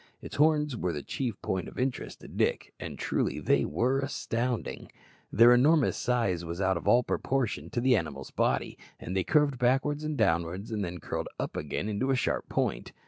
Its horns were the chief point of interest to Dick; and, truly, they were astounding! Their enormous size was out of all proportion to the animal's body, and they curved backwards and downwards, and then curled up again in a sharp point.